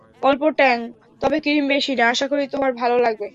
অল্প ট্যাং, তবে ক্রিম বেশি না, আশা করি তোমার ভালো লাগবে।